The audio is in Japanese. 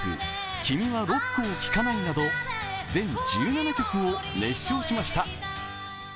「君はロックを聴かない」など全１７曲を熱唱しました。